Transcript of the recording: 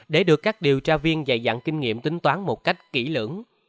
để được các điều tra viên dày dặn kinh nghiệm tính toán một cách kỹ lưỡng